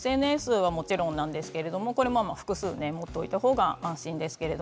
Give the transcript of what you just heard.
ＳＮＳはもちろんなんですがこれは複数持っておいたほうが安心です。